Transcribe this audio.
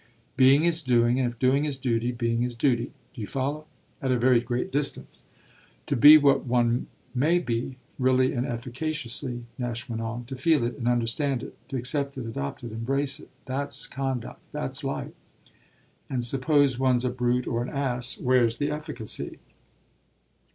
"Being is doing, and if doing is duty being is duty. Do you follow?" "At a very great distance." "To be what one may be, really and efficaciously," Nash went on, "to feel it and understand it, to accept it, adopt it, embrace it that's conduct, that's life." "And suppose one's a brute or an ass, where's the efficacy?"